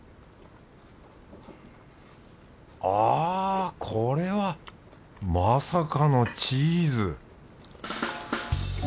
あこれはまさかのチーズ！